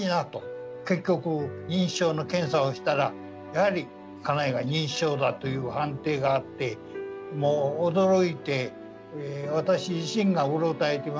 結局認知症の検査をしたらやはり家内が認知症だという判定があってもう驚いて私自身がうろたえてました。